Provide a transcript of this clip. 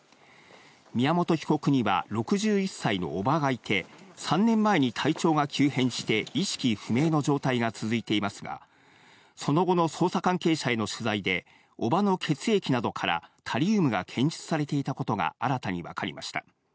宮本被告には６１歳のおばがいて、３年前に体調が急変して、意識不明の状態が続いていますが、その後の捜査関係者への取材で叔母の血液などからタリウムが検出されていたことが新たに分かりました。